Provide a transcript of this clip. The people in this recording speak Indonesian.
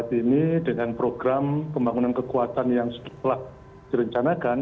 dengan program pembangunan kekuatan yang telah direncanakan